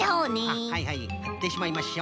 あっはいはいくくってしまいましょう。